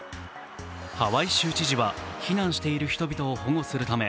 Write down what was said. ハワイ州知事は避難している人々を保護するため